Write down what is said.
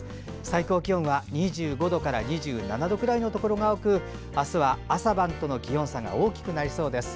最高気温は２５度から２７度くらいのところが多くあすは朝晩との気温差が大きくなりそうです。